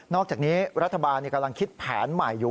อกจากนี้รัฐบาลกำลังคิดแผนใหม่อยู่